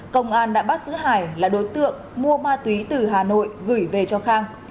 công an đã bắt giữ hải là đối tượng mua ma túy từ hà nội gửi về cho khang